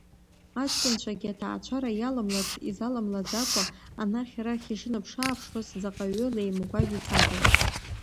Аҷкәынцәагьы аҭаацәара иаламлац изаламлаӡакәа анахь, арахь ишынаԥш-ааԥшуаз заҟаҩ леимгәажә ицада?